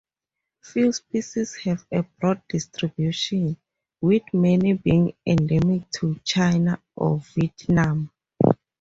Few species have a broad distribution, with many being endemic to China or Vietnam.